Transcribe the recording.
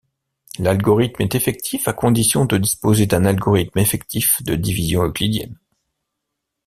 L’algorithme est effectif à condition de disposer d’un algorithme effectif de division euclidienne.